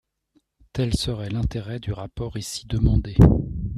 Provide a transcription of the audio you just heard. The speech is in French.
Tel serait l’intérêt du rapport ici demandé.